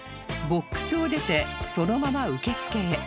ボックスを出てそのまま受付へ